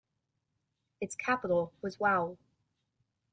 Its capital was Wau.